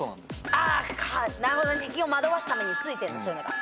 あなるほどね。敵を惑わすためについてんだそういうのが。